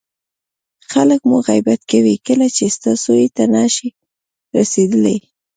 خلک مو غیبت کوي کله چې ستا سویې ته نه شي رسېدلی.